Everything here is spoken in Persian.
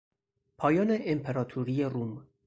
پایان امپراطوری روم